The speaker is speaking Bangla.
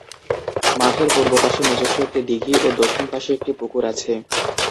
মাঠের পূর্ব পাশে নিজস্ব একটি দিঘী ও দক্ষিণ পাশে একটি পুকুর আছে।